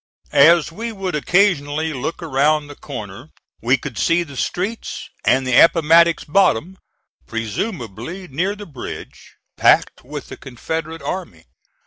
As we would occasionally look around the corner we could see the streets and the Appomattox bottom, presumably near the bridge, packed with the Confederate army.